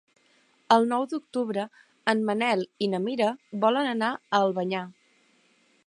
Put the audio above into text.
El nou d'octubre en Manel i na Mira volen anar a Albanyà.